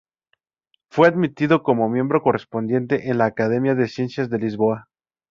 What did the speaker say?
Fue admitido como miembro correspondiente en la Academia de Ciencias de Lisboa.